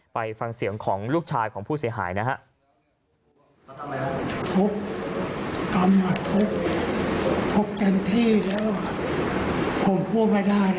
ไปฟังเสียงของลูกชายของผู้เสียหายนะครับ